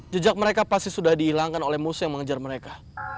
jejak mereka pasti sudah dihilangkan oleh musuh yang mengejar mereka